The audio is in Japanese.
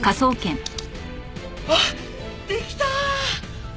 あっできたー！